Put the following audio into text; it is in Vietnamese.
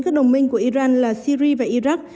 các đồng minh của iran là syria và iraq